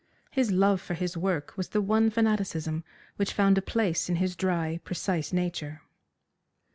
His love for his work was the one fanaticism which found a place in his dry, precise nature.